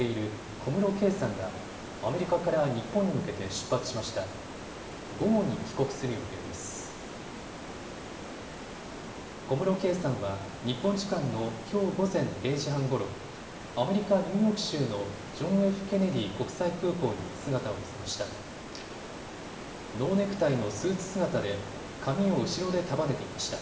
小室圭さんは日本時間のきょう午前０時半ごろ、アメリカ・ニューヨーク州のジョン・Ｆ・ケネディ国際空港に姿を見せました。